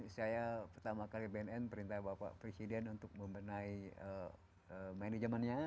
saya pertama kali bnn perintah bapak presiden untuk membenahi manajemennya